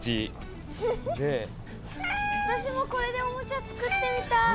わたしもこれでおもちゃつくってみたい！